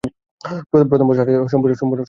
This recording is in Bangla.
প্রথম বর্ষ আর্টস, সম্পূর্ণ ব্রেইলে।